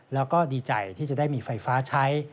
แล้วก็ดีใจที่จะได้มีไฟฟ้าใช้